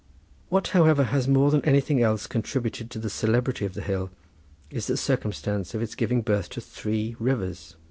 What, however, has more than anything else contributed to the celebrity of the hill is the circumstance of its giving birth to three rivers.